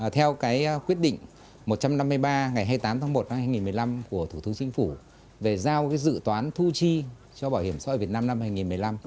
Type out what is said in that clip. theo quyết định một trăm năm mươi ba ngày hai mươi tám tháng một năm hai nghìn một mươi năm của thủ tướng chính phủ về giao dự toán thu chi cho bảo hiểm xã hội việt nam năm hai nghìn một mươi năm